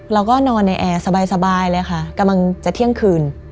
นอนในแอร์สบายเลยค่ะกำลังจะเที่ยงคืน